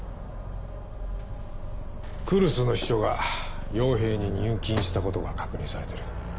来栖の秘書が傭兵に入金したことが確認されてる。